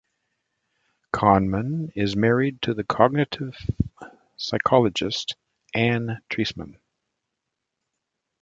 Kahneman is married to the cognitive psychologist Anne Treisman.